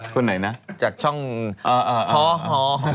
คนไหนนะจากช่องฮหอ